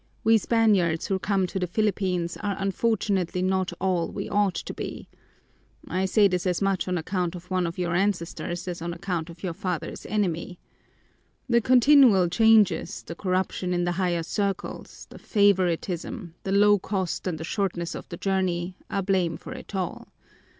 We Spaniards who come to the Philippines are unfortunately not all we ought to be. I say this as much on account of one of your ancestors as on account of your father's enemies. The continual changes, the corruption in the higher circles, the favoritism, the low cost and the shortness of the journey, are to blame for it all.